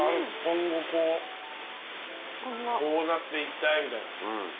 今後こうなっていきたいみたいな。